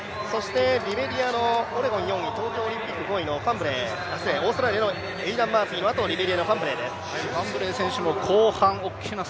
リベリアのオレゴン４位、東京オリンピック位、オーストラリアのエイダン・マーフィーのあと、ファンブレーです。